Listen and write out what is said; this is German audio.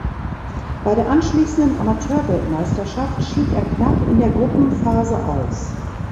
Bei der anschließenden Amateurweltmeisterschaft schied er knapp in der Gruppenphase aus.